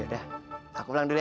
udah aku pulang dulu ya